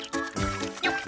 よっ！